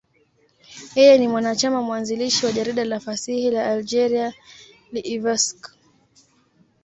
Yeye ni mwanachama mwanzilishi wa jarida la fasihi la Algeria, L'Ivrescq.